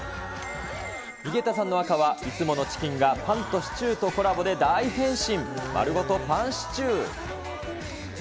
井桁さんの赤はいつものチキンがパンとシチューとコラボで大変身。